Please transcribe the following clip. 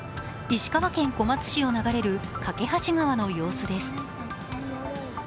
石川県小松市を流れる梯川の様子です。